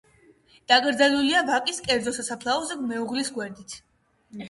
დაკრძალულია ვაკის კერძო სასაფლაოზე მეუღლის გვერდით.